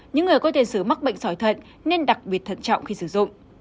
những người có tiền sứ mắc bệnh sói thận nên đặc biệt thận trọng khi sử dụng